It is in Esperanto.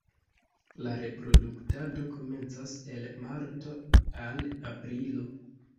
La reproduktado komencas el marto al aprilo.